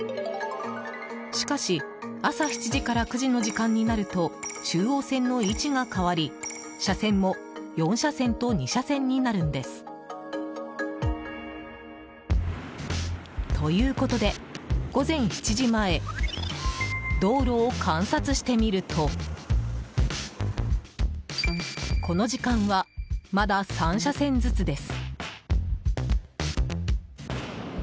しかし朝７時から９時の時間になると中央線の位置が変わり、車線も４車線と２車線になるんです。ということで、午前７時前道路を観察してみるとこの時間は、まだ３車線ずつです。